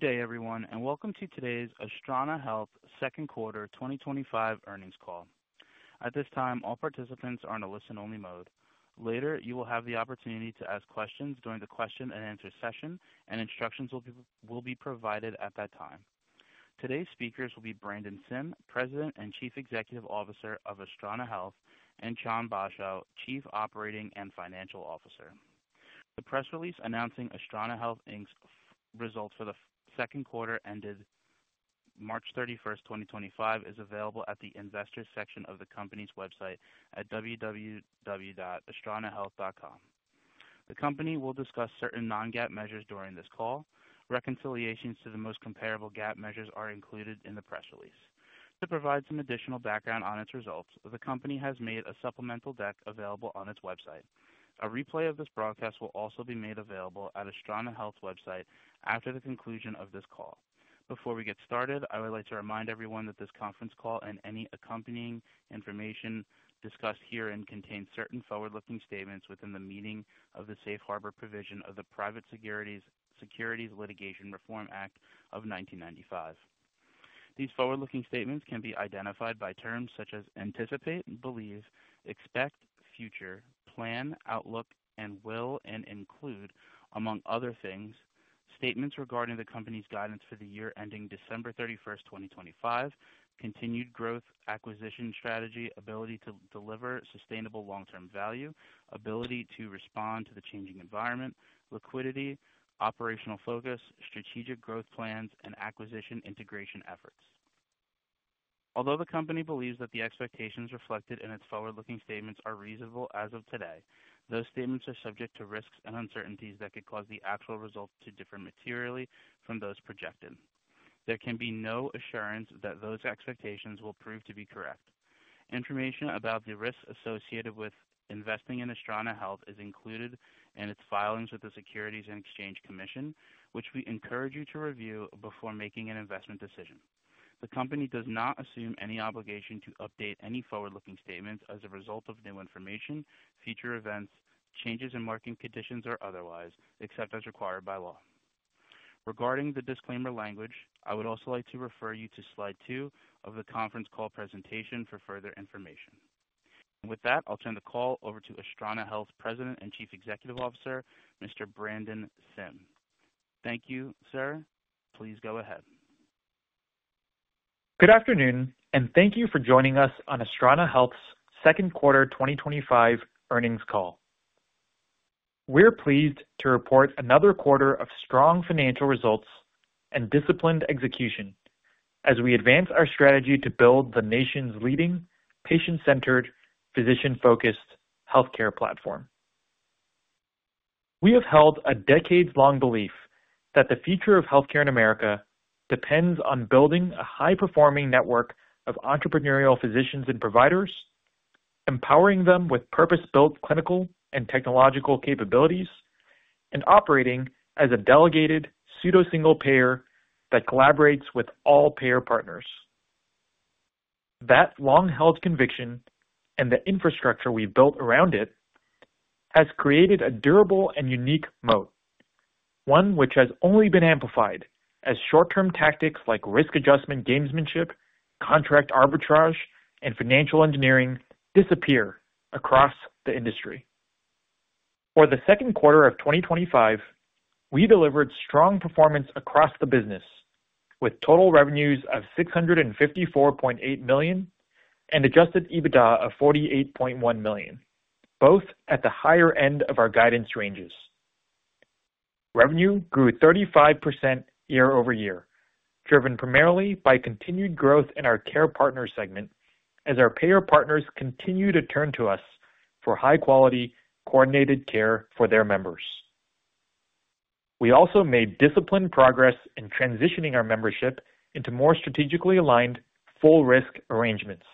Good day everyone and welcome to today's Astrana Health Second Quarter 2025 Earnings Call. At this time, all participants are in a listen-only mode. Later, you will have the opportunity to ask questions during the question-and answer-session, and instructions will be provided at that time. Today's speakers will be Brandon Sim, President and Chief Executive Officer of Astrana Health, and Chan Basho, Chief Operating and Financial Officer. The press release announcing Astrana Health Inc's results for the second quarter ended March 31st, 2025 is available at the Investors section of the company's website at www.astranahealth.com. The company will discuss certain non-GAAP measures during this call. Reconciliations to the most comparable GAAP measures are included in the press release. To provide some additional background on its results, the company has made a supplemental deck available on its website. A replay of this broadcast will also be made available at Astrana Health's website after the conclusion of this call. Before we get started, I would like to remind everyone that this conference call and any accompanying information discussed herein contain certain forward-looking statements within the meaning of the safe harbor provision of the Private Securities Security Litigation Reform Act of 1995. These forward-looking statements can be identified by terms such as anticipate, believe, expect, future, plan, outlook, and will, and include, among other things, statements regarding the company's guidance for the year ending December 31st, 2025, continued growth, acquisition strategy, ability to deliver sustainable long-term value, ability to respond to the changing environment, liquidity, operational focus, strategic growth plans, and acquisition integration efforts. Although the company believes that the expectations reflected in its forward-looking statements are reasonable, as of today those statements are subject to risks and uncertainties that could cause the actual results to differ materially from those projected. There can be no assurance that those expectations will prove to be correct. Information about the risks associated with investing in Astrana Health is included in its filings with the Securities and Exchange Commission, which we encourage you to review before making an investment decision. The company does not assume any obligation to update any forward-looking statements as a result of new information, future events, changes in market conditions, or otherwise, except as required by law. Regarding the disclaimer language, I would also like to refer you to slide two of the conference call presentation for further information. With that, I'll turn the call over to Astrana Health President and Chief Executive Officer Mr. Brandon Sim. Thank you sir. Please go ahead. Good afternoon and thank you for joining us on Astrana Health's Second Quarter 2025 Earnings Call. We're pleased to report another quarter of strong financial results and disciplined execution as we advance our strategy to build the nation's leading patient-centered, physician-focused healthcare platform. We have held a decades-long belief that the future of healthcare in America depends on building a high-performing network of entrepreneurial physicians and providers, empowering them with purpose-built clinical and technological capabilities, and operating as a delegated pseudo single payer that collaborates with all payer partners. That long-held conviction and the infrastructure we've built around it has created a durable and unique moat, one which has only been amplified as short-term tactics like risk adjustment, gamesmanship, contract arbitrage, and financial engineering disappear across the industry. For the second quarter of 2025, we delivered strong performance across the business with total revenues of $654.8 million and adjusted EBITDA of $48.1 million, both at the higher end of our guidance ranges. Revenue grew 35% year-over-year, driven primarily by continued growth in our Care Partners segment. As our payer partners continue to turn to us for high-quality, coordinated care for their members, we also made disciplined progress in transitioning our membership into more strategically aligned full-risk arrangements.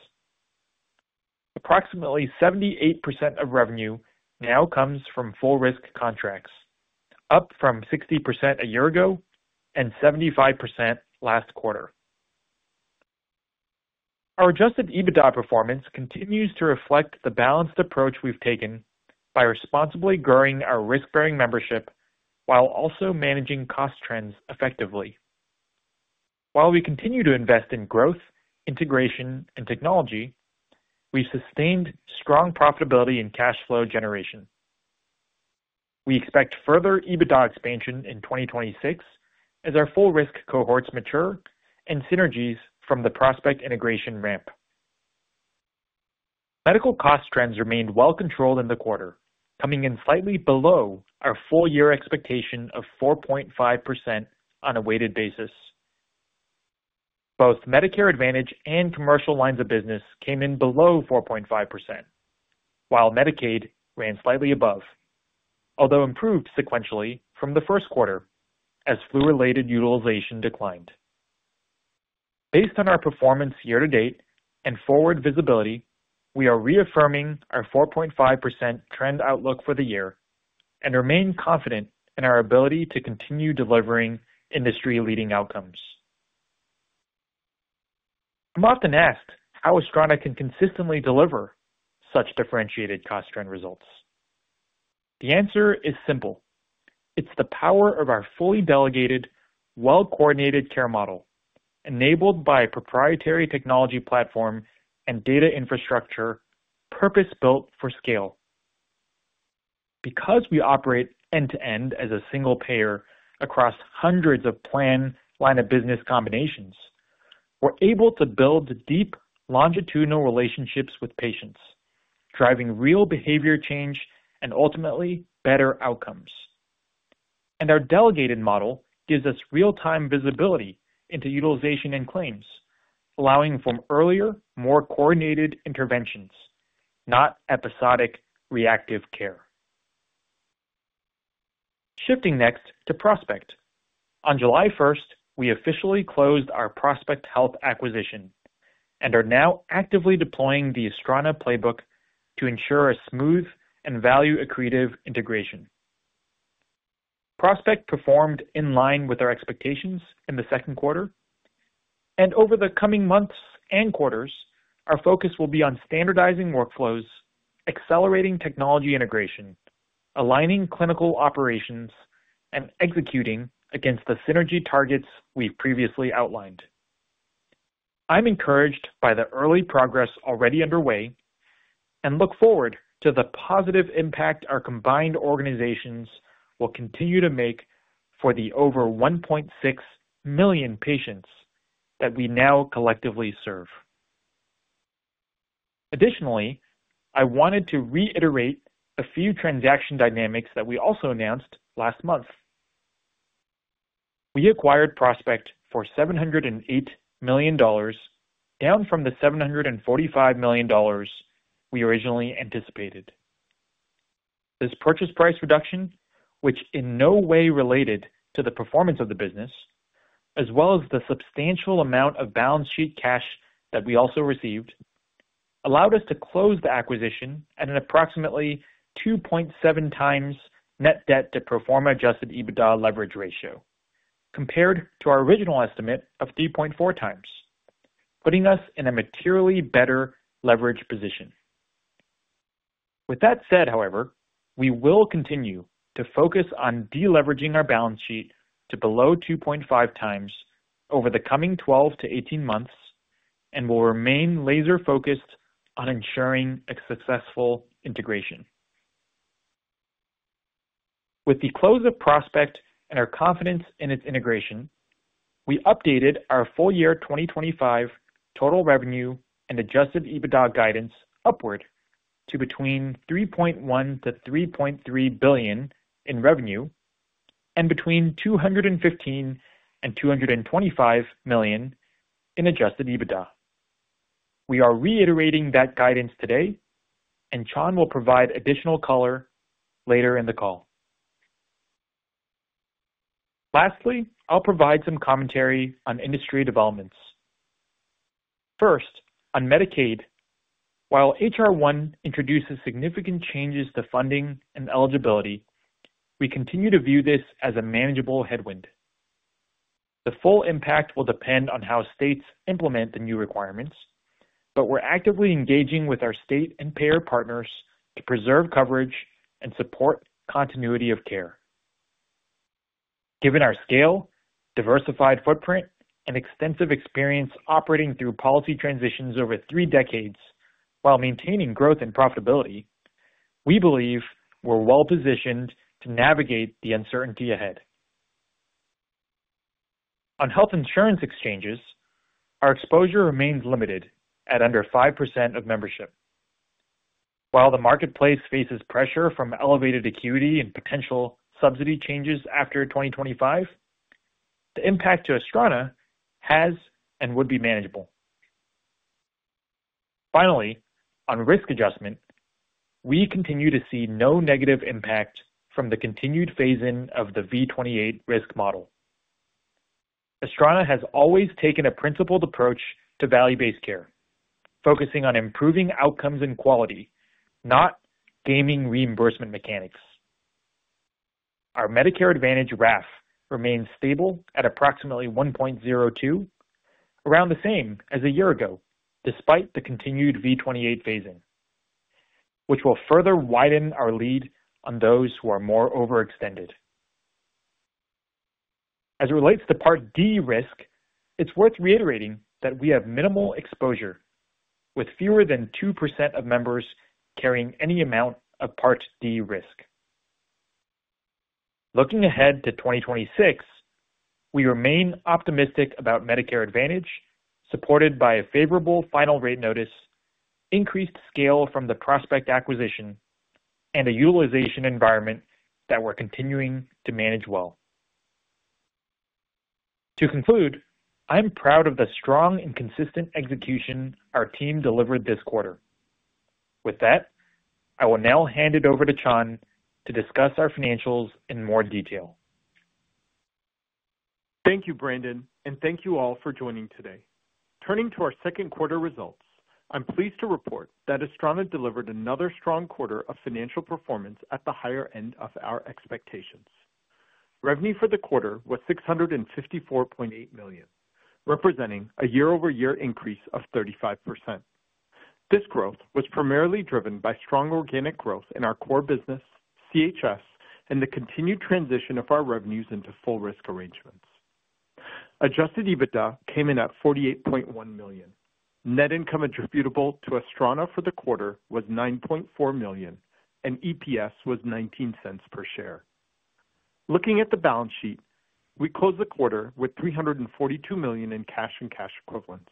Approximately 78% of revenue now comes from full-risk contracts, up from 60% a year ago and 75% last quarter. Our adjusted EBITDA performance continues to reflect the balanced approach we've taken by responsibly growing our risk-bearing membership while also managing cost trends effectively. While we continue to invest in growth, integration, and technology, we sustained strong profitability and cash flow generation. We expect further EBITDA expansion in 2026 as our full-risk cohorts mature and synergies from the Prospect Health integration ramp. Medical cost trends remained well controlled in the quarter, coming in slightly below our full-year expectation of 4.5% on a weighted basis. Both Medicare Advantage and commercial lines of business came in below 4.5%, while Medicaid ran slightly above, although improved sequentially from the first quarter as flu-related utilization declined. Based on our performance year to date and forward visibility, we are reaffirming our 4.5% trend outlook for the year and remain confident that and our ability to continue delivering industry leading outcomes. I'm often asked how Astrana can consistently deliver such differentiated cost trend results. The answer is simple. It's the power of our fully delegated, well-coordinated care model enabled by a proprietary technology platform and data infrastructure purpose built for scale. Because we operate end to end as a single payer across hundreds of plan line of business combinations, we're able to build deep longitudinal relationships with patients, driving real behavior change and ultimately better outcomes. Our delegated model gives us real time visibility into utilization and claims, allowing for earlier, more coordinated interventions, not episodic reactive care. Shifting next to Prospect, on July 1, we officially closed our Prospect Health acquisition and are now actively deploying the Astrana playbook to ensure a smooth and value accretive integration. Prospect performed in line with our expectations in the second quarter and over the coming months and quarters, our focus will be on standardizing workflows, accelerating technology integration, aligning clinical operations, and executing against the synergy targets we've previously outlined. I'm encouraged by the early progress already underway and look forward to the positive impact our combined organizations will continue to make for the over 1.6 million patients that we now collectively serve. Additionally, I wanted to reiterate a few transaction dynamics that we also announced last month. We acquired Prospect for $708 million, down from the $745 million we originally anticipated. This purchase price reduction, which in no way related to the performance of the business, as well as the substantial amount of balance sheet cash that we also received, allowed us to close the acquisition at an approximately 2.7x net debt to pro forma adjusted EBITDA leverage ratio compared to our original estimate of 3.4x, putting us in a materially better leverage position. With that said, however, we will continue to focus on deleveraging our balance sheet to below 2.5x over the coming 12 months-18 months and will remain laser focused on ensuring a successful integration. With the close of Prospectnand our confidence in its integration, we updated our full year 2025 total revenue and adjusted EBITDA guidance upward to between $3.1 billion-$3.3 billion in revenue and between $215 million and $225 million in adjusted EBITDA. We are reiterating that guidance today and Chan will provide additional color later in the call. Lastly, provide some commentary on industry developments. First on Medicaid. While H.R. 1 introduces significant changes to funding and eligibility, we continue to view this as a manageable headwind. The full impact will depend on how states implement the new requirements, but we're actively engaging with our state and payer partners to preserve coverage and support continuity of care. Given our scale, diversified footprint, and extensive experience operating through policy transitions over three decades while maintaining growth and profitability, we believe we're well positioned to navigate the uncertainty ahead. On health insurance exchanges, our exposure remains limited at under 5% of membership. While the marketplace faces pressure from elevated acuity and potential subsidy changes after 2025, the impact to Astrana Health has and would be manageable. Finally, on risk adjustment, we continue to see no negative impact from the continued phase-in of the V28 risk model. Astrana has always taken a principled approach to value-based care, focusing on improving outcomes and quality, not gaming reimbursement mechanics. Our Medicare Advantage RAF remains stable at approximately 1.02x, around the same as a year ago despite the continued V28 phasing, which will further widen our lead on those who are more overextended. As it relates to Part D risk, it's worth reiterating that we have minimal exposure with fewer than 2% of members carrying any amount of Part D risk. Looking ahead to 2026, we remain optimistic about Medicare Advantage supported by a favorable final rate notice, increased scale from the Prospect acquisition, and a utilization environment that we're continuing to manage. To conclude, I'm proud of the strong and consistent execution our team delivered this quarter. With that, I will now hand it over to Chan to discuss our financials in more detail. Thank you, Brandon, and thank you all for joining today. Turning to our second quarter results, I'm pleased to report that Astrana delivered another strong quarter of financial performance at the higher end of our expectations. Revenue for the quarter was $654.8 million, representing a year-over-year increase of 35%. This growth was primarily driven by strong organic growth in our core business, CHS, and the continued transition of our revenues into full-risk arrangements. Adjusted EBITDA came in at $48.1 million. Net income attributable to Astrana for the quarter was $9.4 million, and EPS was $0.19 per share. Looking at the balance sheet, we closed. The quarter with $342 million in cash and cash equivalents.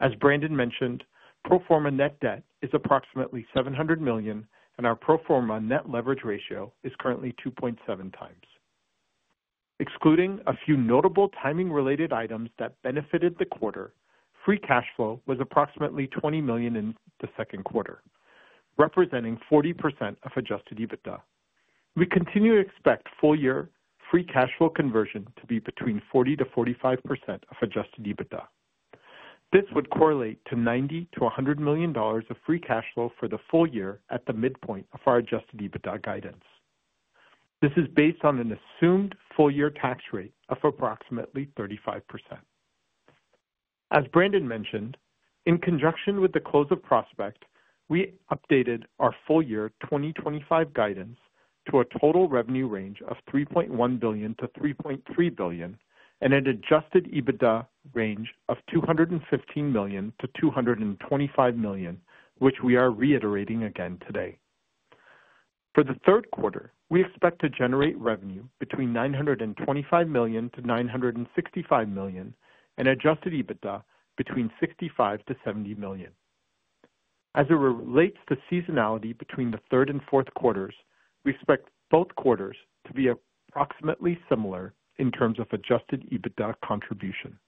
As Brandon mentioned, pro forma net debt is approximately $700 million and our pro forma net leverage ratio is currently 2.7x, excluding a few notable timing-related items that benefited the quarter. Free cash flow was approximately $20 million in the second quarter, representing 40% of adjusted EBITDA. We continue to expect full year free cash flow conversion to be between 40%-45% of adjusted EBITDA. This would correlate to $90 million-$100 million of free cash flow for the full year at the midpoint of our adjusted EBITDA guidance. This is based on an assumed full year tax rate of approximately 35%. As Brandon mentioned, in conjunction with the close of Prospect, we updated our full year 2025 guidance to a total revenue range of $3.1 billion-$3.3 billion and an adjusted EBITDA range of $215 million-$225 million, which we are reiterating again today. For the third quarter, we expect to generate revenue between $925 million-$965 million and adjusted EBITDA between $65 million-$70 million. As it relates to seasonality between the third and fourth quarters, we expect both quarters to be approximately similar in terms of adjusted EBITDA contribution.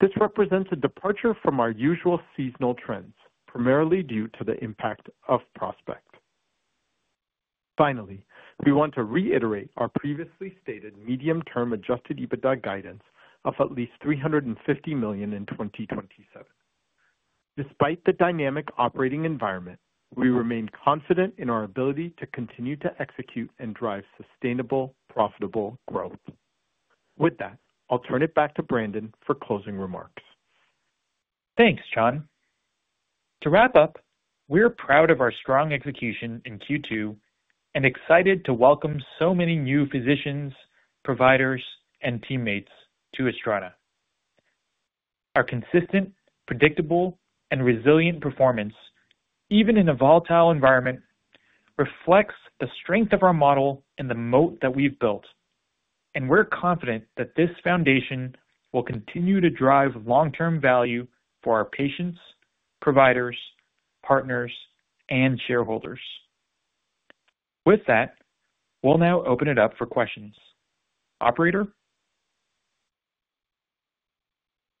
This represents a departure from our usual seasonal trends, primarily due to the impact of Prospect. Finally, we want to reiterate our previously stated medium-term adjusted EBITDA guidance of at least $350 million in 2020. Despite the dynamic operating environment, we remain confident in our ability to continue to execute and drive sustainable, profitable growth. With that, I'll turn it back to you. Brandon for closing remarks. Thanks, John. To wrap up, we're proud of our strong execution in Q2 and excited to welcome so many new physicians, providers, and teammates to Astrana. Our consistent, predictable, and resilient performance, even in a volatile environment, reflects the strength of our model and the moat that we've built. We're confident that this foundation will continue to drive long-term value for our patients, providers, partners, and shareholders. With that, we'll now open it up for questions.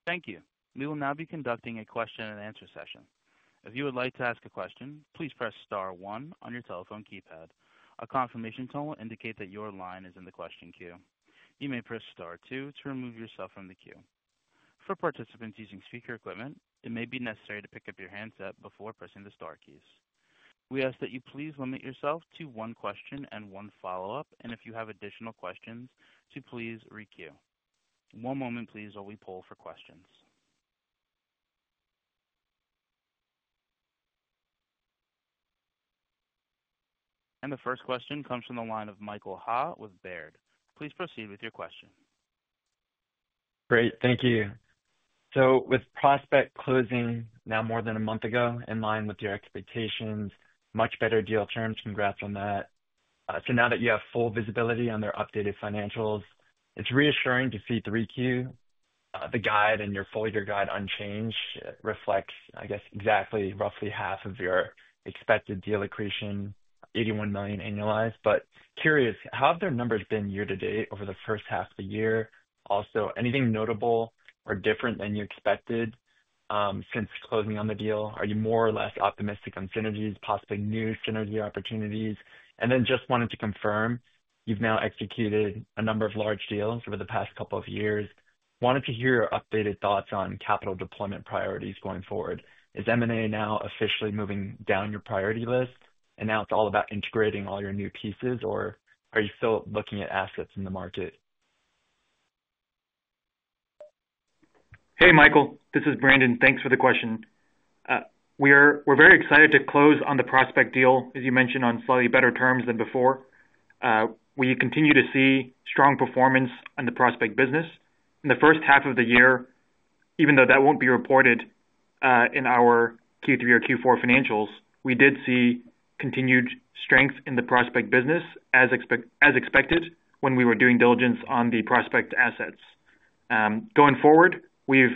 Operator. Thank you. We will now be conducting a question-and-answer session. If you would like to ask a question, please press star one on your telephone keypad. A confirmation tone will indicate that your line is in the question queue. You may press Star two to remove yourself from the queue. For participants using speaker equipment, it may be necessary to pick up your handset before pressing the star keys. We ask that you please limit yourself to one question and one follow up, and if you have additional questions, to please re queue. One moment please while we poll for questions, and the first question comes from the line of Michael Ha with Baird. Please proceed with your question. Great. Thank you. With Prospect closing now more than a month ago, in line with your expectations, much better deal terms. Congrats on that. Now that you have full visibility on their updated financials, it's reassuring to see 3Q the guide and your full year guide unchanged reflects I guess exactly roughly half of your expected deal accretion, $81 million annualized. Curious, how have their numbers been year to date over the first half of the year? Also, anything notable or different than you expected since closing on the deal? Are you more or less optimistic on synergies, possibly new synergy opportunities? Just wanted to confirm you've now executed a number of large deals over the past couple of years. Wanted to hear your updated thoughts on capital deployment priorities going forward. Is M&A now officially moving down your priority list and now it's all about integrating all your new pieces, or are you still looking at assets in the market? Hey Michael, this is Brandon. Thanks for the question. We are very excited to close on the Prospect deal as you mentioned, on slightly better terms than before. We continue to see strong performance on the Prospect business in the first half of the year, even though that won't be reported in our Q3 or Q4 financials. We did see continued strength in the Prospect business as expected when we were doing diligence on the Prospect assets. Going forward, we've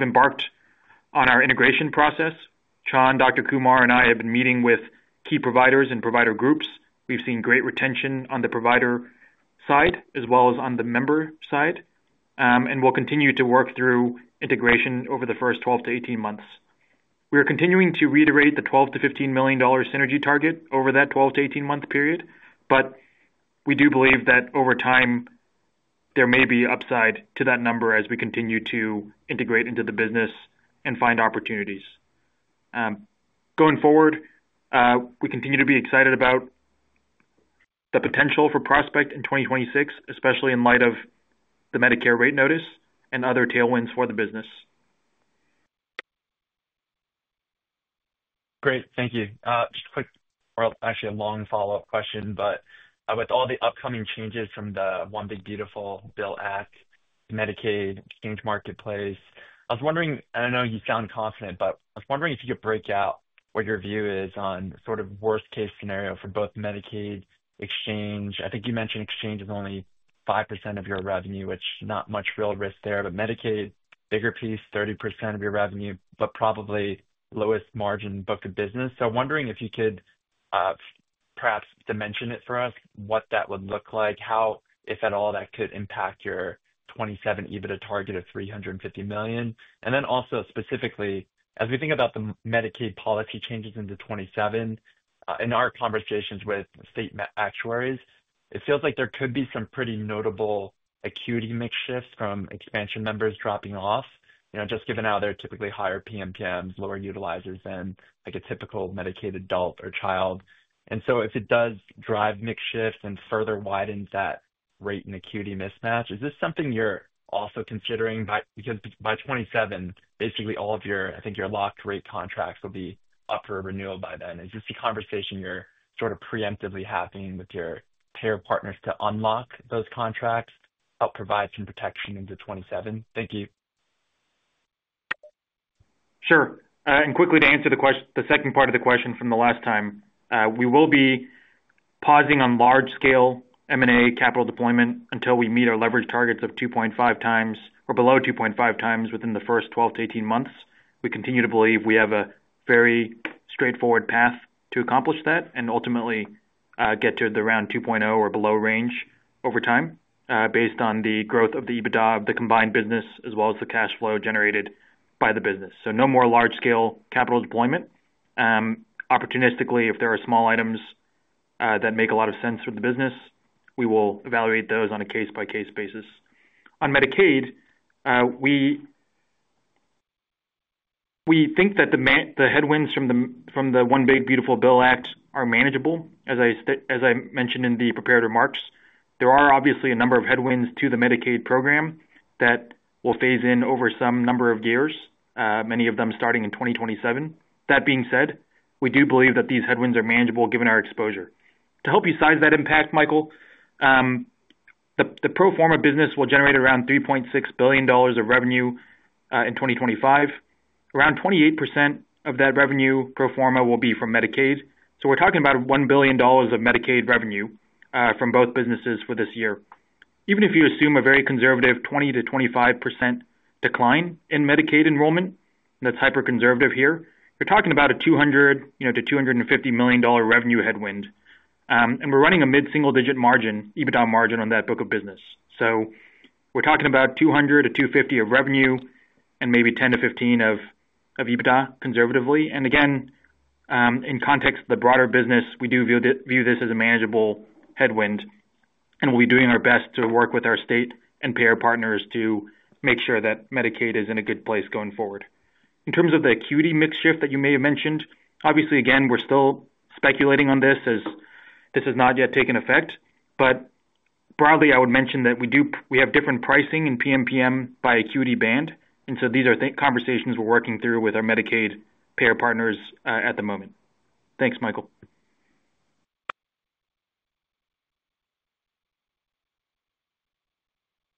embarked on our integration process. Chan, Dr. Kumar and I have been. Meeting with key providers and provider groups. We've seen great retention on the provider side as well as on the member side, and we'll continue to work through integration over the first 12 months-18 months. We are continuing to reiterate the $12 million-$15 million synergy target over that. 12 to 18 month period, but we. Do believe that over time there may be upside to that number as we continue to integrate into the business. Find opportunities going forward. We continue to be excited about the. Potential for Prospect in 2026, especially in light of the Medicare rate notice and other tailwinds for the business. Great, thank you. Just quick, actually a long follow-up question, but with all the upcoming changes from the One Big Beautiful Bill Act, Medicaid, Exchange Marketplace, I was wondering, I know you sound confident, but I was wondering if you could break out what your view is on sort of worst case scenario for both Medicaid, Exchange. I think you mentioned Exchange is only 5% of your revenue, which not much real risk there. Medicaid, bigger piece, 30% of your revenue, but probably lowest margin book to business. I was wondering if you could perhaps dimension. It for us what that would look like. Like, how if at all that could impact your 2027 EBITDA target of $350 million. Also, specifically as we think about the Medicaid policy changes into 2027, in our conversations with state actuaries, it feels like there could be some pretty notable acuity mix shifts from expansion, members dropping off, just given out there, typically higher PMPMs, lower utilizers than like a typical Medicaid adult or child. If it does drive mix shift and further widen that rate and acuity mismatch, is this something you're also considering? By 2027, basically all of your, I think your locked rate contracts will be up for renewal by then. As you see, conversation you're sort of preemptively having with your Care Partners to unlock those contracts, help provide some protection into 2027. Thank you. Sure. To answer the second part of the question from the last time, we will be pausing on large scale M&A capital deployment until we meet our leverage targets of 2.5x or below 2.5x within the first 12 months-18 months. We continue to believe we have a. Very straightforward path to accomplish that. Ultimately get to the around 2.0x or below range over time based on the growth of the EBITDA of the combined business as well as the cash flow generated by the business. No more large scale capital deployment. Opportunistically, if there are small items that make a lot of sense for the business, we will evaluate those on a case by case basis on Medicaid. We. We think that the headwinds from the One Big Beautiful Bill Act are manageable. As I mentioned in the prepared remarks, there are obviously a number of headwinds to the Medicaid program that will phase in over some number of years, many of them starting in 2027. That being said, we do believe that these headwinds are manageable given our exposure. To help you size that impact, Michael, the pro forma business will generate around $3.6 billion of revenue in 2025. Around 28% of that revenue pro forma will be from Medicaid. We're talking about $1 billion of Medicaid revenue from both businesses for this year. Even if you assume a very conservative 20%-25% decline in Medicaid enrollment, that's hyper conservative here. You're talking about a $200 million-$250 million revenue headwind and we're running a mid single digit EBITDA margin on that book of business. We're talking about $200 million-$250 million of revenue and maybe $10 million-$15 million of EBITDA conservatively. Again, in context of the broader business, we do view this as a manageable headwind and we'll be doing our best to work with our state and payer partners to make sure that Medicaid is in a good place going forward. In terms of the acuity mix shift that you may have mentioned, obviously again, we're still speculating on this as this has not yet taken effect. Broadly, I would mention that we have different pricing in PMPM by acuity band and these are conversations we're working through with our Medicaid payer partners at the moment. Thanks, Michael.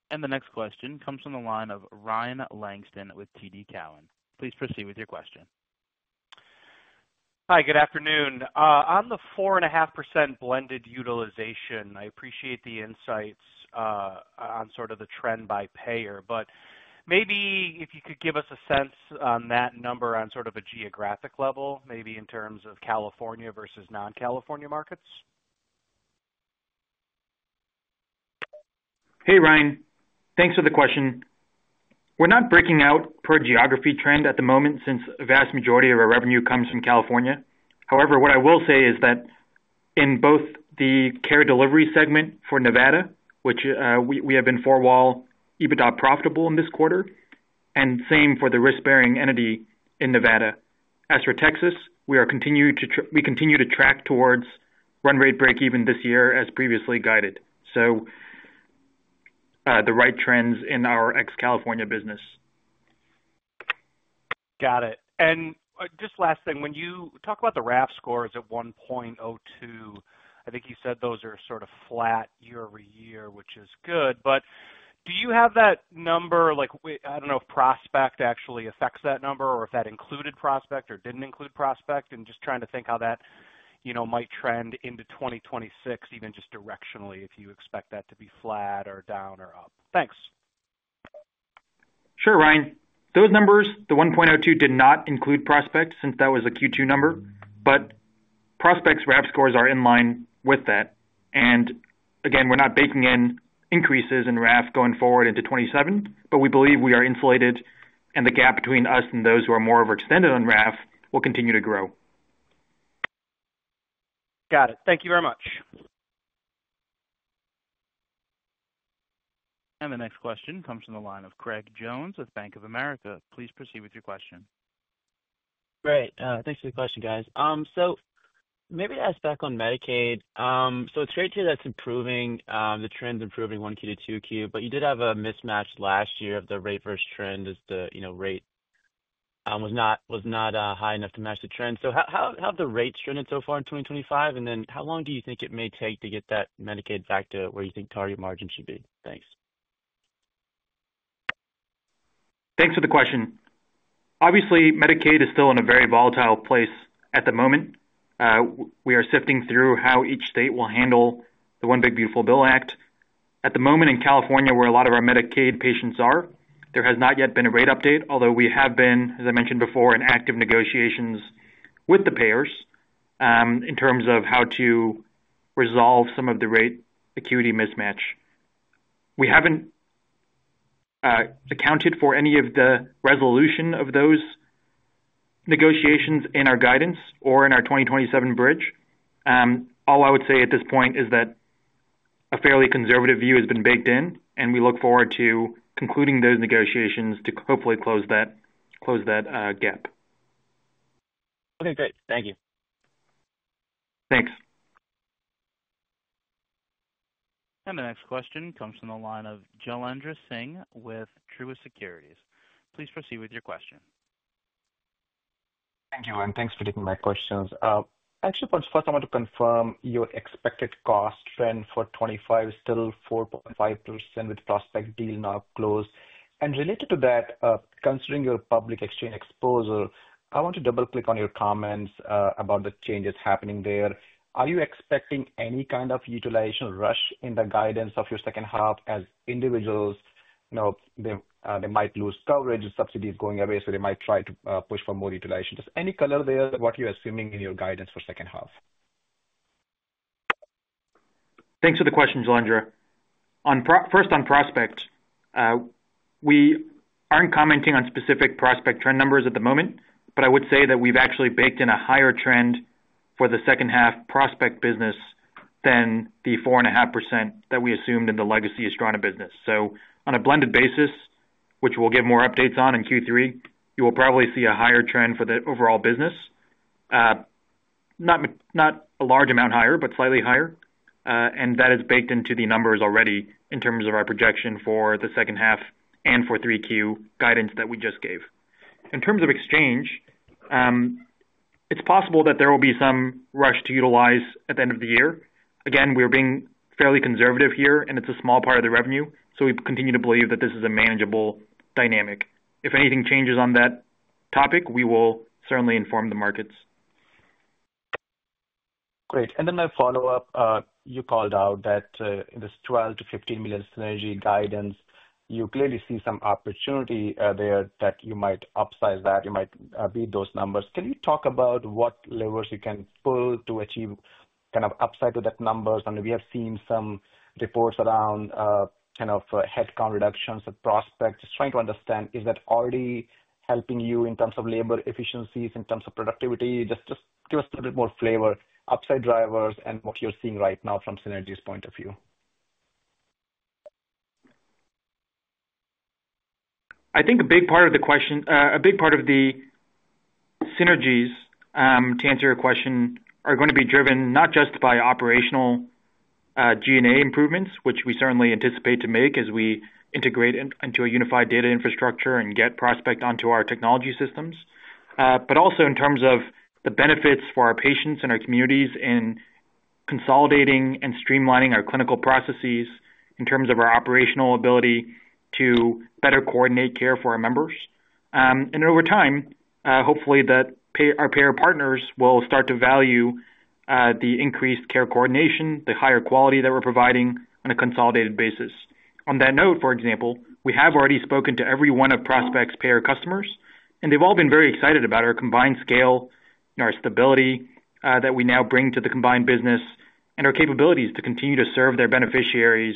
The next question comes from the line of Ryan Langston with TD Cowen. Please proceed with your question. Hi, good afternoon. On the 4.5% blended utilization, I appreciate the insights on sort of the trend by payer, but maybe if you could give us a sense on that number on sort of a geographic level maybe. In terms of California versus non-California markets, hey Ryan, thanks for the question. We're not breaking out per geography trend at the moment since the vast majority of our revenue comes from California. However, what I will say is that in both the Care Partners segment for Nevada, which we have in four-wall EBITDA profitable in this quarter, and same for the risk-bearing entity in Nevada. As for Texas, we continue to track towards run rate break-even this year as previously guided. The right trends are in our ex-California business. Got it. Just last thing, when you talk. About the RAF scores at 1.02x, I think you said those are sort of flat year-over-year, which is good. Do you have that number? I don't know if Prospect actually affects that number or if that included Prospect or didn't include Prospect. I'm just trying to think how that, you know, might. Trend into 2026, even just directionally, if. You expect that to be flat or down. Thanks. Sure. Ryan, those numbers, the 1.02x did not include Prospect since that was a Q2 number. Prospect's RAF scores are in line with that. We're not baking in increases in RAF going forward into 2027, but we believe we are insulated and the gap between us and those who are more overextended on RAF will continue to grow. Got it. Thank you very much. The next question comes from the line of Craig Jones with Bank of America. Please proceed with your question. Great, thanks for the question, guys. Maybe to ask back on Medicaid. It's great to hear that it's improving, the trend improving 1Q to 2Q. You did have a mismatch last. Year of the rate versus trend. The rate was not high enough to match the trend. How have the rates trended so far in 2025, and then how long do you think it may take to get that Medicaid back to where you. Cardio margin should be? Thanks. Thanks for the question, obviously Medicaid is still in a very volatile place at the moment. We are sifting through how each state will handle the One Big Beautiful Bill Act at the moment. In California, where a lot of our Medicaid patients are, there has not yet been a rate update, although we have been, as I mentioned before, in active negotiations with the payers in terms of how to resolve some of the rate acuity mismatch. We haven't accounted for any of the resolution of those negotiations in our guidance or in our 2027 bridge. All I would say at this point is that a fairly conservative view has been baked in, and we look forward to concluding those negotiations to hopefully close that gap. Okay, great. Thank you. Thanks. The next question comes from the line of Jailendra Singh with Truist Securities. Please proceed with your question. Thank you, and thanks for taking my questions. Actually, first I want to confirm your expected cost trend for 2025 is still 4.5% with the Prospect deal now closed. Related to that, considering your public exchange exposure, I want to double click on your comments about the changes happening there. Are you expecting any kind of utilization rush in the guidance of your second half as individuals now might lose coverage, subsidies going away, so they might try to push for more utilization? Just any color there on what you're assuming in your guidance for the second half. Thanks for the question. First, on Prospect, we aren't commenting on specific Prospect trend numbers at the moment, but I would say that we've actually baked in a higher trend for the second half Prospect business than the 4.5% that we assumed in the legacy Astrana business. On a blended basis, which we'll give more updates on in Q3, you will probably see a higher trend for the overall business. Not a large amount higher, but slightly higher. That is baked into the numbers already in terms of our projection for the second half and for 3Q guidance that we just gave. In terms of exchange, it's possible that there will be some rush to utilize at the end of the year. Again, we're being fairly conservative here and it's a small part of the revenue. We continue to believe that this is a manageable dynamic. If anything changes on that topic, we will certainly inform the markets. Great. You called out that this $12 million-$15 million synergy guidance, you clearly see some opportunity there that you might upsize, that you might beat those numbers. Can you talk about what levers you can pull to achieve kind of upside to that numbers? We have seen some reports around kind of headcount reductions at Prospect. Just trying to understand, is that already helping you in terms of labor efficiencies, in terms of productivity? Just give us a little more flavor. Upside drivers and what you're seeing right now from synergies point of view. I think a big part of the question, a big part of the synergies, to answer your question, are going to be driven not just by operational G&A improvements, which we certainly anticipate to make as we integrate into a unified data infrastructure and get Prospect onto our technology systems, but also in terms of the benefits for our patients and our communities in consolidating and streamlining our clinical processes, in terms of our operational ability to better coordinate care for our members and over time, hopefully that our payer partners will start to value the increased care coordination, the higher quality that we're providing on a consolidated basis. On that note, for example, we have already spoken to every one of Prospect's payer customers and they've all been very excited about our combined scale, our stability that we now bring to the combined business, and our capabilities to continue to serve their beneficiaries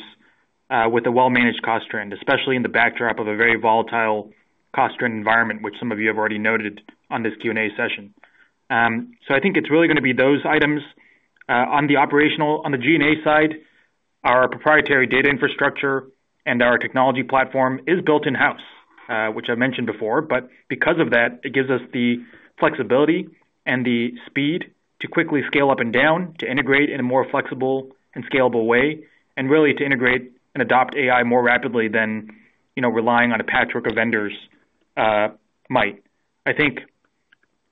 with a well-managed cost trend, especially in the backdrop of a very volatile cost trend environment, which some of you have already noted on this Q&A session. I think it's really going to be those items on the operational. On the G&A side, our proprietary data infrastructure and our technology platform is built in-house, which I mentioned before, but because of that it gives us the flexibility and the speed to quickly scale up and down, to integrate in a more flexible and scalable way, and really to integrate and adopt AI more rapidly than, you know, relying on a patchwork of vendors might. I think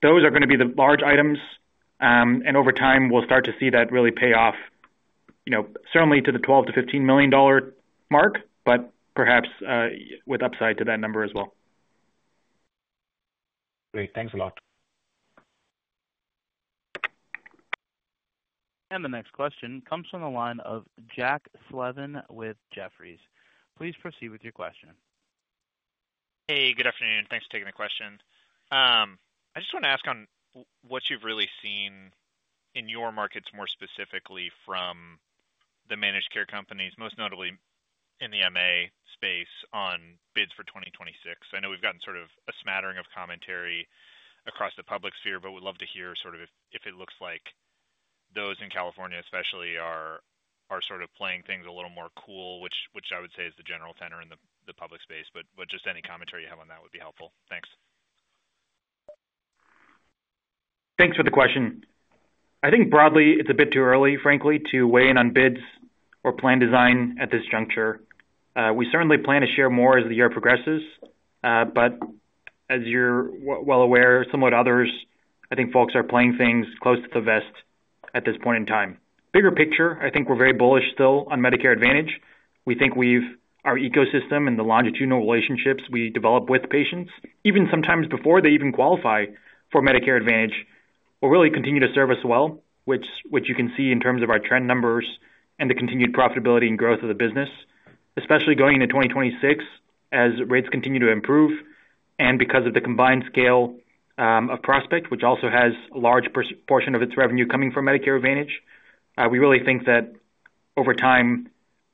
those are going to be the large items and over time we'll start to see that really pay off, you know, certainly to the $12 million-$15 million mark, but perhaps with upside to that number as well. Great, thanks a lot. The next question comes from the line of Jack Slevin with Jefferies. Please proceed with your question. Hey, good afternoon. Thanks for taking the question. I just want to ask on what. You've really seen in your markets, more specifically from the managed care companies, most notably in the MA space on bids for 2026. I know we've gotten sort of a smattering of commentary across the public sphere, but would love to hear sort of if it looks like those in California especially are sort of playing things a little more cool, which I would say is the general tenor in the public space. Just any commentary you have on that would be helpful. Thanks for the question. I think broadly it's a bit too early, frankly, to weigh in on bids or plan design at this juncture. We certainly plan to share more as the year progresses, but as you're well aware, somewhat others, I think folks are playing things close to the vest at this point in time. Bigger picture, I think we're very bullish still on Medicare Advantage. We think with our ecosystem and the longitudinal relationships we develop with patients, even sometimes before they even qualify for Medicare Advantage, will really continue to serve us well, which you can see in terms of our trend numbers and the continued profitability and growth of the business, especially going into 2026 as rates continue to improve and because of the combined scale of Prospect, which also has a large portion of its revenue coming from Medicare Advantage. We really think that over time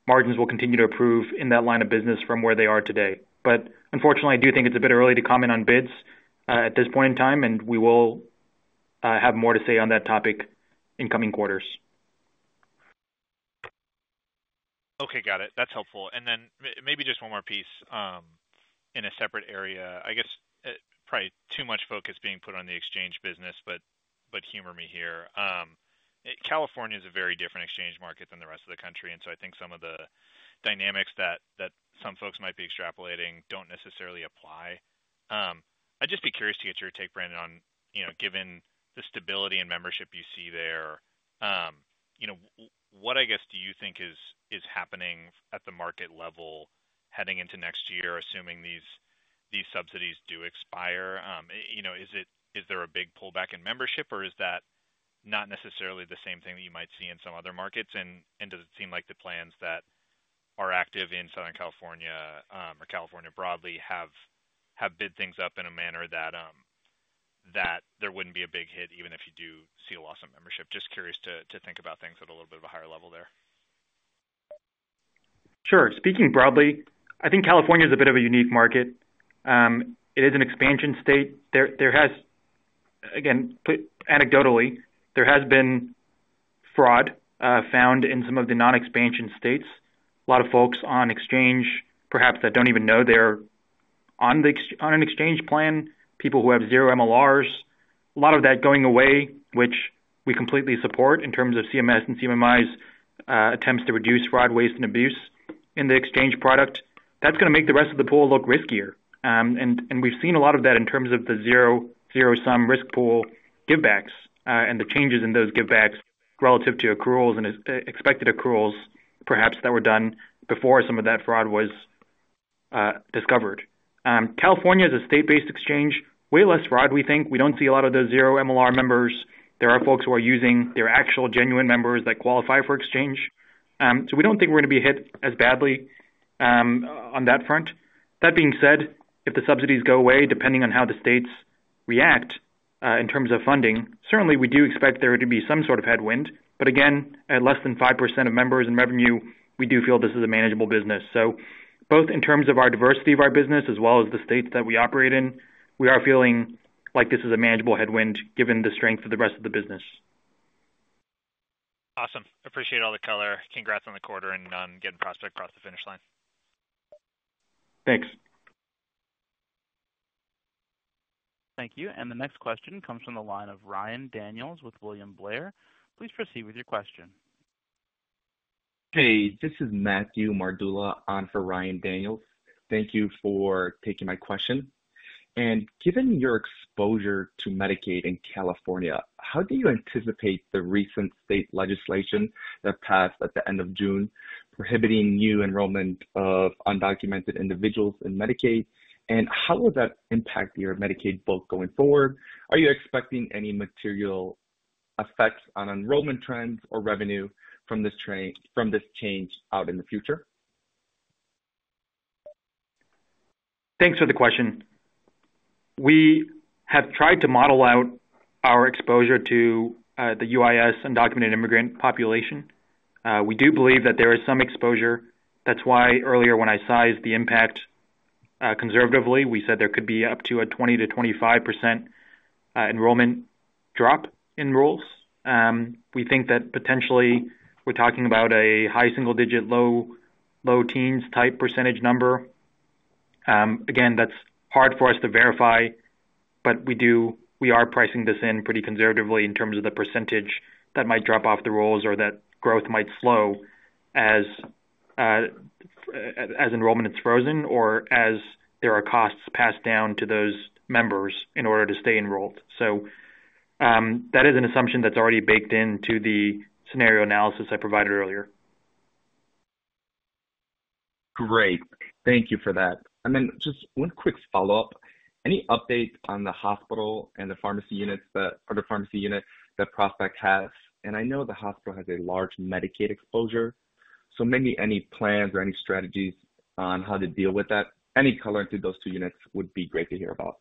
margins will continue to improve in that line of business from where they are today. I do think it's a bit early to comment on bids at this point in time and we will have more to say on that topic in coming quarters. Okay, got it. That's helpful. Maybe just one more piece in a separate area. I guess probably too much focus is being put on the exchange business, but humor me here. California is a very different exchange market than the rest of the country, so I think some of the dynamics that some folks might be extrapolating do not necessarily apply. I'd just be curious to get your take, Brandon, on given the stability and membership you see there, what do you think is happening at the market level heading into next year? Assuming these subsidies do expire, is there a big pullback in membership, or is that not necessarily the same thing that you might see in some other markets? Does it seem like the plans that are active in Southern California or California broadly have bid things up in a manner that there would not be a big hit even if you do see a loss of membership? Just curious to think about things at. A little bit of a higher level there. Sure. Speaking broadly, I think California is a bit of a unique market. It is an expansion state. There has, again anecdotally, been fraud found in some of the non-expansion states. A lot of folks on exchange perhaps don't even know they're on an exchange plan, people who have zero MLRs, a lot of that going away, which we completely support in terms of CMS and CMI's attempts to reduce fraud, waste, and abuse in the exchange product. That's going to make the rest of. The pool looks riskier. We've seen a lot of that in terms of the sum risk pool givebacks and the changes in those givebacks relative to accruals and expected accruals, perhaps that were done before some of that fraud was discovered. California is a state-based exchange. Way less fraud, we think. We don't see a lot of the MLR members. There are folks who are using their actual genuine members that qualify for exchange. We don't think we're going to be hit as badly on that front. That being said, if the subsidies go away, depending on how the states react in terms of funding, certainly we do expect there to be some sort of headwind. At less than 5% of members in revenue, we do feel this is a manageable business. Both in terms of our diversity of our business as well as the states that we operate in, we are feeling like this is a manageable headwind given the strength of the rest of the business. Awesome. Appreciate all the color. Congrats on the quarter and on getting. Prospect across the finish line. Thanks. Thank you. The next question comes from the line of Ryan Daniels with William Blair. Please proceed with your question. Hey, this is Matthew Mardula on for Ryan Daniels. Thank you for taking my question. Given your exposure to Medicaid in California, how do you anticipate the recent state legislation that passed at the end of June prohibiting new enrollment of undocumented individuals in Medicaid? How would that impact your Medicaid book going forward? Are you expecting any material effects on enrollment trends or revenue from this change in the future? Thanks for the question. We have tried to model out our exposure to the U.S. undocumented immigrant population. We do believe that there is some exposure. That's why earlier when I sized the impact conservatively, we said there could be up to a 20%-25% enrollment drop in rules. We think that potentially we're talking about a high single-digit, low, low teens type percentage number. Again, that's hard for us to verify, but we do. We are pricing this in pretty conservatively in terms of the percentage that might drop off the rules or that growth might slow as enrollment is frozen or as there are costs passed down to those members in order to stay enrolled. That is an assumption that's already baked into the scenario analysis I provided earlier. Great. Thank you for that. Just one quick follow-up. Any updates on the hospital and the pharmacy unit that Prospect has? I know the hospital has a large Medicaid exposure, so maybe any plans or any strategies on how to deal with that? Any color to those two units would be great to hear about.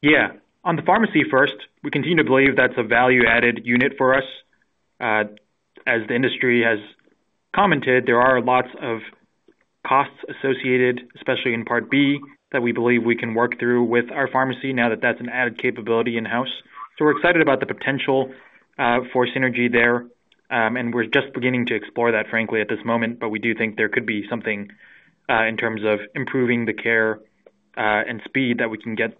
Yeah. On the pharmacy, first, we continue to. Believe that's a value added unit for us. As the industry has commented, there are lots of costs associated, especially in Part B, that we believe we can work through with our pharmacy now that that's an added capability in house. We're excited about the potential for synergy there and we're just beginning to explore that, frankly, at this moment. We do think there could be something in terms of improving the care and speed that we can get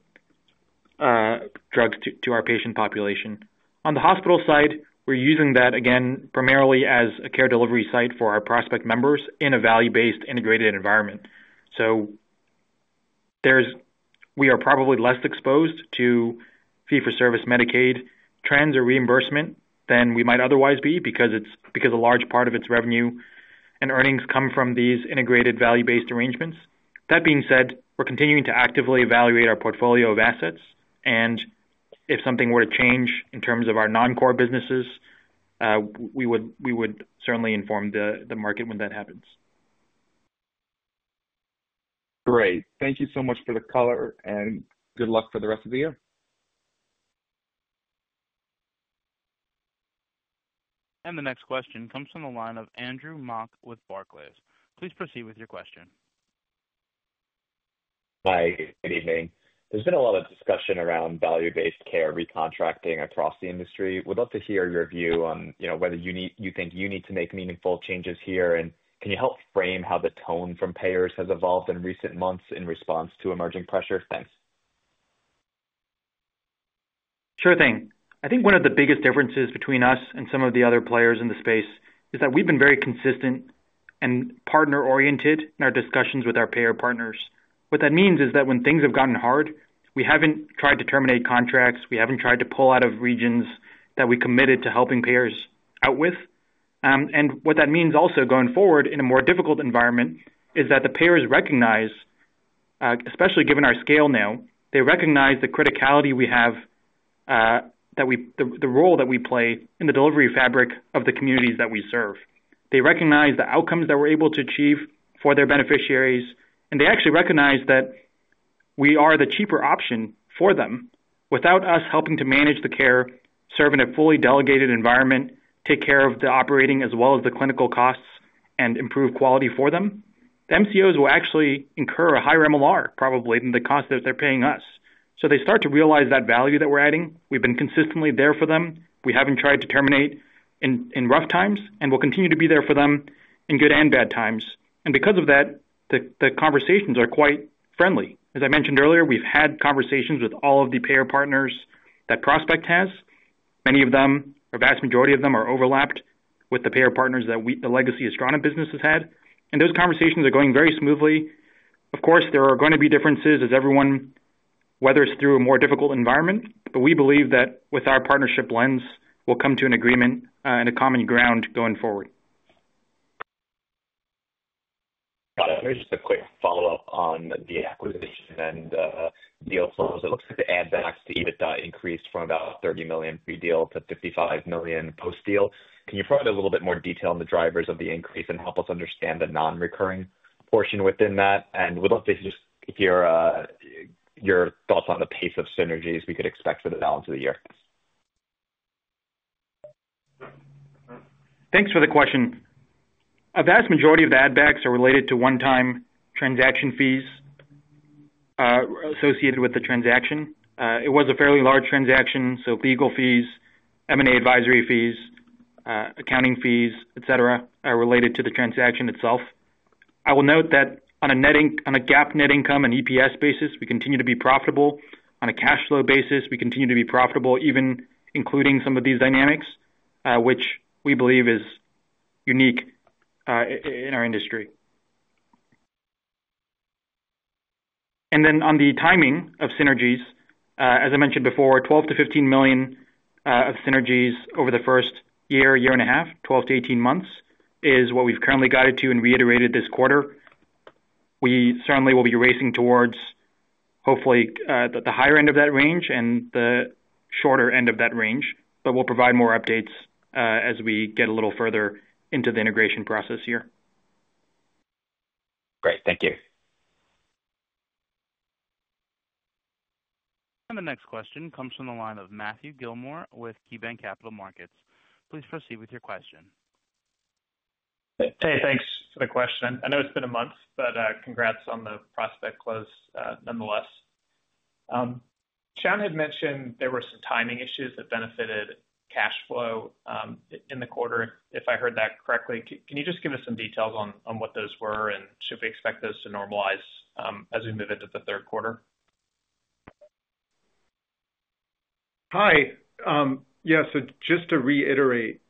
drugs to our patient population. On the hospital side, we're using that again primarily as a care delivery site for our Prospect Health members in a value based integrated environment. We are probably less exposed to fee for service, Medicaid trends, or reimbursement than we might otherwise be because a large part of its revenue and earnings come from these integrated value based arrangements. That being said, we're continuing to actively evaluate our portfolio of assets, and if something were to change in terms of our non core businesses, we would certainly inform the market when that happens. Great. Thank you so much for the color, and good luck for the rest of the year. The next question comes from the line of Andrew Mok with Barclays. Please proceed with your question. Hi, good evening. There's been a lot of discussion around value-based care recontracting across the industry. We'd love to hear your view on whether you think you need to make meaningful changes here. Can you help frame how the tone from payers has evolved in recent months in response to emerging pressures? Thanks. Sure thing. I think one of the biggest differences between us and some of the other players in the space is that we've been very consistent and partner oriented in our discussions with our payer partners. What that means is that when things have gotten hard, we haven't tried to terminate contracts, we haven't tried to pull out of regions that we committed to helping payers out with. What that means also going forward in a more difficult environment is that the payers recognize, especially given our scale now, they recognize the criticality we have, the role that we play in the delivery fabric of the communities that we serve. They recognize the outcomes that we're able to achieve for their beneficiaries and they actually recognize that we. Are the cheaper option for them, without. Us helping to manage the care, serve in a fully delegated environment, take care of the operating as well as the clinical costs, and improve quality for them. The MCOs will actually incur a higher MLR probably than the cost that they're paying us. They start to realize that value that we're adding. We've been consistently there for them, we haven't tried to terminate in rough times, and we'll continue to be there for them in good and bad times. Because of that, the conversations are quite. As I mentioned earlier, we've had conversations with all of the payer partners that Prospect has. Many of them, a vast majority of them, are overlapped with the payer partners that the legacy Astrana business has had, and those conversations are going very smoothly. Of course, there are going to be differences as everyone weathers through a more difficult environment, but we believe that with our partnership lens, we'll come to an agreement and a common ground going forward. Got it. Let me just ask a quick follow up on the acquisition and deal flows. It looks like the add backs to EBITDA increased from about $30 million pre-deal to $55 million post-deal. Can you provide a little bit more detail on the drivers of the increase and help us understand the non-recurring portion within that? I would love to just hear your thoughts on the pace of synergies we could expect for the balance of the year. Thanks for the question. A vast majority of the add backs are related to one-time transaction fees associated with the transaction. It was a fairly large transaction, so legal fees, M&A advisory fees, accounting fees, etc. are related to the transaction itself. I will note that on a net income, on a GAAP net income and EPS basis, we continue to be profitable. On a cash flow basis, we continue to be profitable, even including some of these dynamics, which we believe is unique in our industry. On the timing of synergies, as I mentioned before, $12 million-$15 million of synergies over the first year, year and a half, 12 months-18 months is what we've currently guided to and reiterated this quarter. We certainly will be racing towards hopefully the higher end of that range and the shorter end of that range. We'll provide more updates as we get a little further into the integration process here. Great. Thank you. The next question comes from the line of Matthew Gillmor with KeyBanc Capital Markets. Please proceed with your question. Hey, thanks for the question. I know it's been a month, but congrats on the Prospect close nonetheless. Sean had mentioned there were some timing. Issues that benefited cash flow in the. Quarter, if I heard that correctly. Can you just give us some details on what those were, and should we expect those to normalize as we move Into the third quarter? Hi. Yeah, just to reiterate,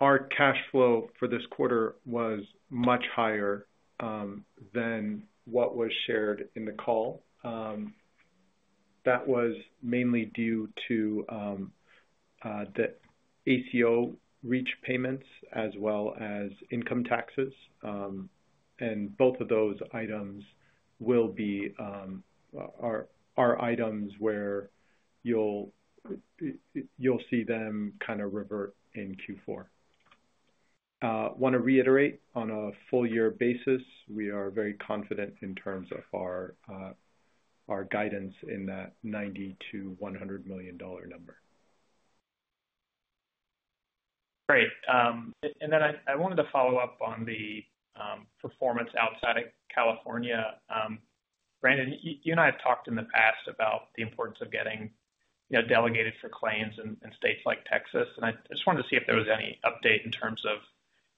our cash flow for this quarter was much higher than what was shared in the call. That was mainly due to the ACO REACH payments as well as income taxes. Both of those items are items where you'll see them kind of revert in Q4. I want to reiterate on a full year basis we are very confident in terms of our guidance in that $90 million-$100 million number. Great, I wanted to follow up. On the performance outside of California. Brandon, you and I have talked. The past about the importance of getting. Delegated for claims in states like Texas. I just wanted to see if. Is there any update in terms of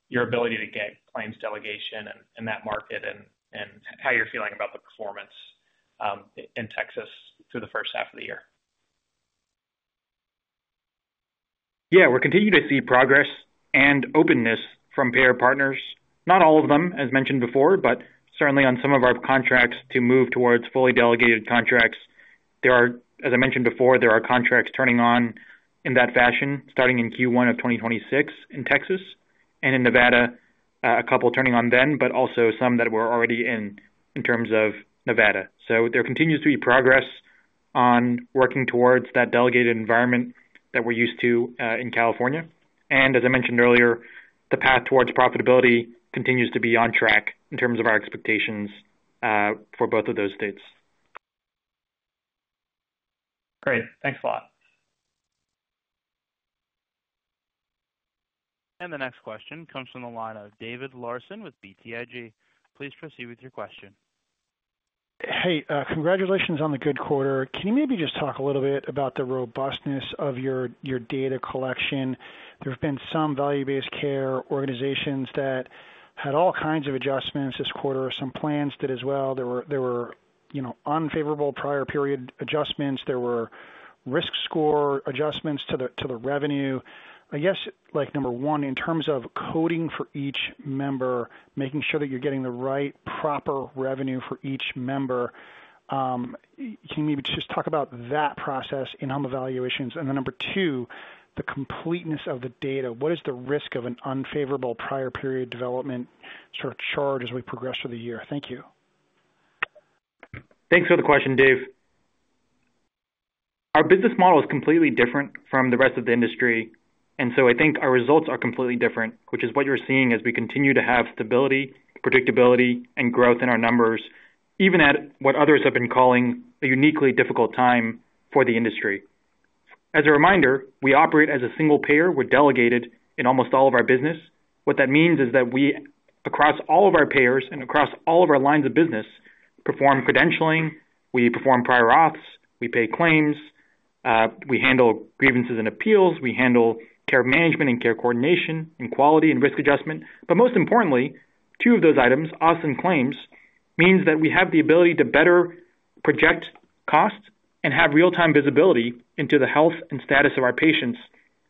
your ability to get claims delegation in that market, and how you're feeling about the performance in Texas through the first Half of the year. Yeah, we're continuing to see progress and openness from payer partners. Not all of them as mentioned before, but certainly on some of our contracts to move towards fully delegated contracts. There are contracts turning on in that fashion starting in Q1 of 2026 in Texas and in Nevada, a couple turning on then, but also some that were already in, in terms of Nevada. There continues to be progress on working towards that delegated environment that we're used to in California. As I mentioned earlier, the path towards profitability continues to be on track in terms of our expectations for both of those states. Great. Thanks a lot. The next question comes from the line of David Larsen with BTIG. Please proceed with your question. Hey, congratulations on the good quarter. Can you maybe just talk a little bit about the robustness of your data collection? There have been some value based care organizations that had all kinds of adjustments this quarter. Some plans did as well. There were unfavorable prior period adjustments. There were risk score adjustments to the revenue, I guess like number one in terms of coding for each member, making sure that you're getting the right proper revenue for each member. Can you maybe just talk about that process in home evaluations? And then number two, the completeness of the data. What is the risk of an unfair, unfavorable prior period development sort of chart as we progress through the year? Thank you. Thanks for the question, Dave. Our business model is completely different from the rest of the industry. I think our results are completely different, which is what you're seeing as we continue to have stability, predictability, and growth in our numbers, even at what others have been calling a uniquely difficult time for the industry. As a reminder, we operate as a single payer. We're delegated in almost all of our business. What that means is that we, across. All of our payers and across all. Of our lines of business perform credentialing, we perform prior auths, we pay claims, we handle grievances and appeals, we handle care management and care coordination and quality and risk adjustment. Most importantly, two of those items, OS and claims, means that we have the ability to better project cost and have real-time visibility into the health and status of our patients.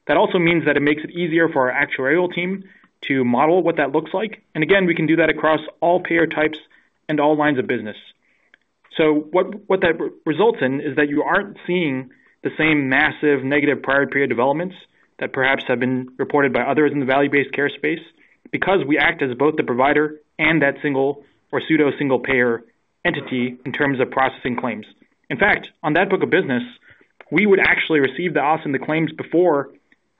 That also means it makes it easier for our actuarial team to model what that looks like. We can do that across all payer types and all lines of business. What that results in is that you aren't seeing the same massive negative prior period developments that perhaps have been reported by others in the value-based care space. We act as both the provider and that single or pseudo single payer entity in terms of processing claims. In fact, on that book of business, we would actually receive the awesome the. Claims before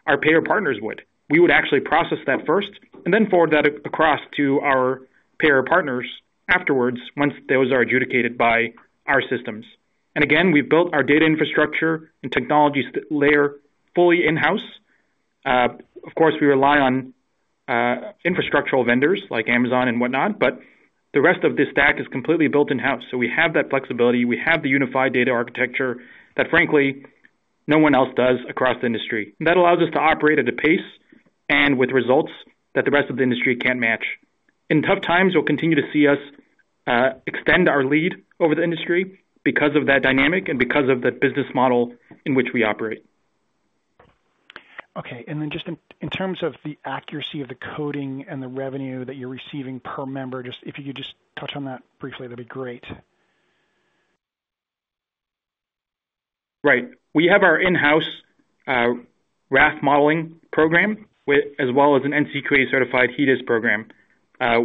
our payer partners would. We would actually process that first, then forward that across to our payer. Partners afterwards once those are adjudicated by our systems. We've built our data infrastructure and technology layer fully in house. Of course, we rely on infrastructural vendors like Amazon and whatnot, but the rest of this stack is completely built in house. We have that flexibility. We have the unified data architecture that frankly no one else does across the industry. That allows us to operate at a pace and with results that the rest of the industry can't match in tough times. You'll continue to see us extend our lead over the industry because of that dynamic and because of the business model in which we operate. Okay, in terms of the accuracy of the coding and the revenue that you're receiving per member, if you could just touch on that briefly, that'd be great. We have our in-house RAF modeling program as well as an NCQA-certified HEDIS program.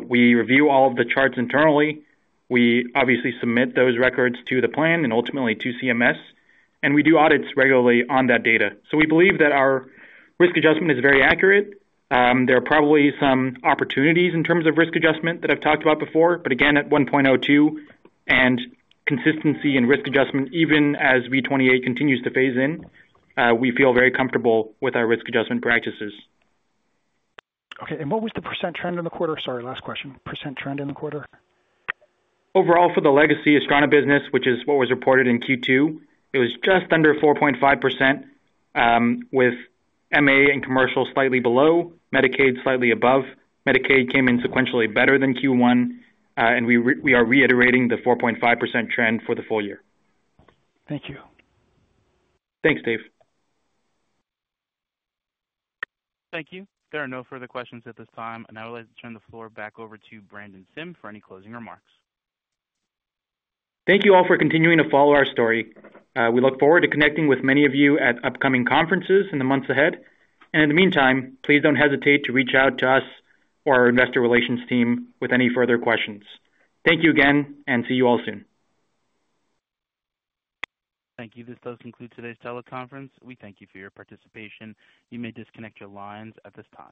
We review all of the charts internally. We obviously submit those records to the plan and ultimately to CMS, and we do audits regularly on that data. We believe that our risk adjustment is very accurate. There are probably some opportunities in terms of risk adjustment that I've talked about before, but again at 1.02x and consistency in risk adjustment, even as V28 continues to phase in, we feel very comfortable with our risk adjustment practices. Okay, what was the percent trend in the quarter? Sorry, last question. Percent trend in the quarter overall for the legacy Astrana Health business, which is what was reported in Q2, it was just under 4.5% with MA and commercial slightly below Medicaid. Slightly above, Medicaid came in sequentially better than Q1 and we are reiterating the 4.5% trend for the full year. Thank you. Thanks, Dave. Thank you. There are no further questions at this time, and I would like to turn the floor back over to Brandon Sim for any closing remarks. Thank you all for continuing to follow our story. We look forward to connecting with many of you at upcoming conferences in the months ahead. In the meantime, please don't hesitate to reach out to us or our investor relations team with any further questions. Thank you again and see you all soon. Thank you. This does conclude today's teleconference. We thank you for your participation. You may disconnect your lines at this time.